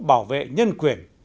bảo vệ nhân quyền